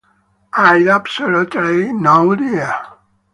I'd absolutely no idea.